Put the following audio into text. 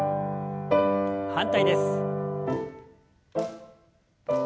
反対です。